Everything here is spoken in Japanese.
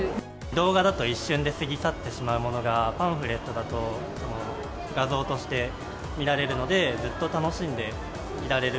動画だと一瞬で過ぎ去ってしまうものが、パンフレットだと画像として見られるので、ずっと楽しんでいられる。